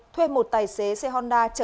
thuê một tài xế xe hóa